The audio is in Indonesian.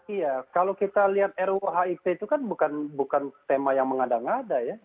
iya kalau kita lihat ruhip itu kan bukan tema yang mengada ngada ya